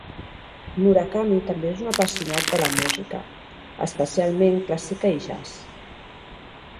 Murakami també és un apassionat de la música, especialment clàssica i jazz.